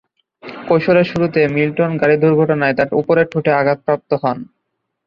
কৈশোরের শুরুতে মিল্টন গাড়ি দুর্ঘটনায় তার উপরের ঠোঁটে আঘাতপ্রাপ্ত হন।